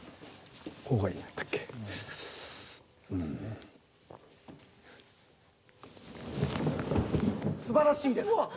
すばらしいです。